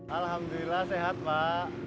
alhamdulillah sehat pak